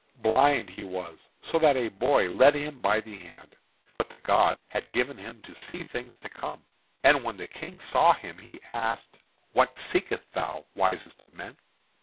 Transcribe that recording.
Blind he was, so that a boy led him by the hand; but the gods had given him to see things to come. And when the King saw him he asked: "What seekest thou, wisest of men?"